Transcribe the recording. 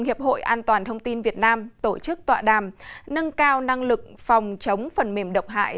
hiệp hội an toàn thông tin việt nam tổ chức tọa đàm nâng cao năng lực phòng chống phần mềm độc hại